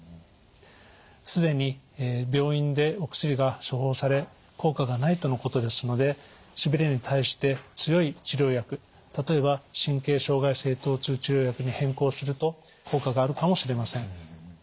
既に病院でお薬が処方され効果がないとのことですのでしびれに対して強い治療薬例えば神経障害性とう痛治療薬に変更すると効果があるかもしれません。